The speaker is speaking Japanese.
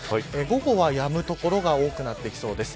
午後はやむ所が多くなってきそうです。